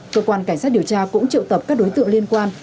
cơ quan cảnh sát điều tra cũng triệu tập các đối tượng liên quan